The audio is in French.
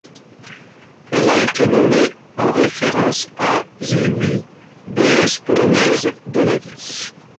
Elle a été nommée en référence à Zywie, déesse polonaise de la vie.